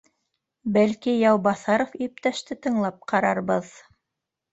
— Бәлки, Яубаҫаров иптәште тыңлап ҡарарбыҙ